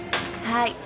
はい。